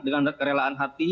dengan kerelaan hati